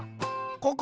ここ！